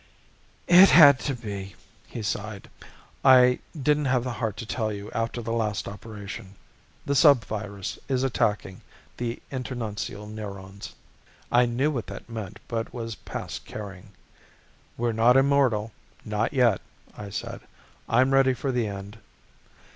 "It had to be," he sighed. "I didn't have the heart to tell you after the last operation. The subvirus is attacking the internuncial neurones." I knew what that meant but was past caring. "We're not immortal not yet," I said. "I'm ready for the end."